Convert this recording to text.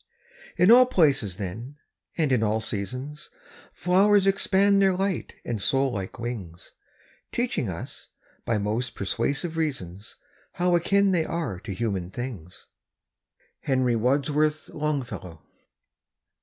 _) In all places then, and in all seasons, Flowers expand their light and soul like wings, Teaching us, by most persuasive reasons, How akin they are to human things. —Henry Wadsworth Longfellow.